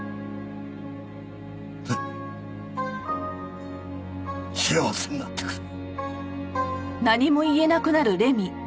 麗美幸せになってくれ。